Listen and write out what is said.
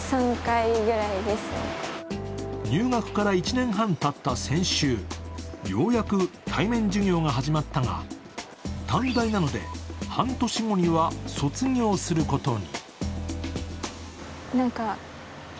入学から１年半たった先週ようやく対面授業が始まったが短大なので、半年後には卒業することに。